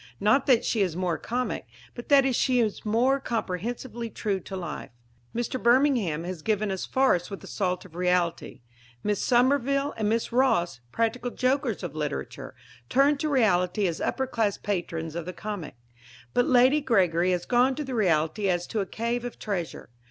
Not that she is more comic, but that she is more comprehensively true to life. Mr. Birmingham has given us farce with a salt of reality; Miss Somerville and Miss Ross, practical jokers of literature, turned to reality as upper class patrons of the comic; but Lady Gregory has gone to reality as to a cave of treasure.